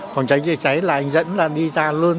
còn cháy cháy cháy là anh dẫn là đi ra luôn